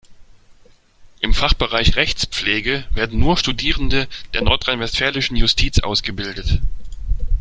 Im Fachbereich Rechtspflege werden nur Studierende der nordrhein-westfälischen Justiz ausgebildet.